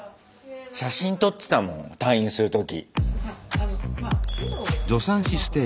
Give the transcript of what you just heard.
写真撮ってたもん退院する時。